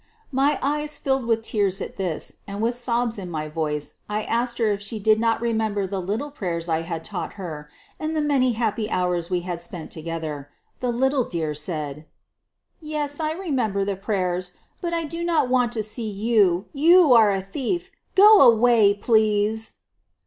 My eyes filled with tears at this, and with sobs in my voice I asked her if she did not remember the little prayers I had taught her and the many happy hours we had spent together. The little dear said: 1 l Yes, I remember the prayers, but I do not want to see you. You are a thief! Go away, please!"